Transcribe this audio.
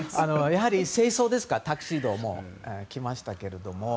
やはり正装ですからタキシードも着ましたけれども。